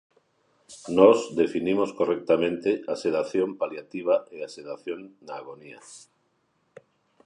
Nós definimos correctamente a sedación paliativa e a sedación na agonía.